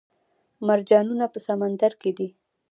مرجانونه په سمندر کې دي